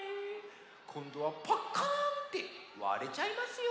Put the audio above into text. こんどはぱっかーんってわれちゃいますよ！